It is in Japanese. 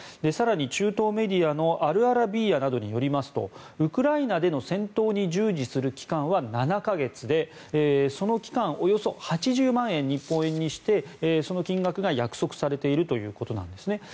更に、中東メディアのアルアラビーヤなどによりますとウクライナでの戦闘に従事する期間は７か月でその期間、およそ８０万円日本円にしてその金額が約束されているということなんですね。